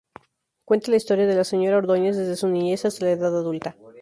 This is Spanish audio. Cuenta la historia de la Señora Ordóñez desde su niñez hasta la edad adulta.